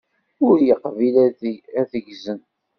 Ur yeqbil ad t-ggzen.